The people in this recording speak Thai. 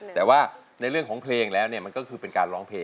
แต่ว่าในเรื่องของเพลงแล้วเนี่ยมันก็คือเป็นการร้องเพลง